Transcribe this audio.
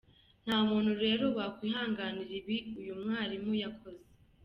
Nta muntu rero wakwihanganira ibi uyu mwarimu yakoze .